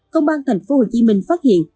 công an thành phố hồ chí minh phát hiện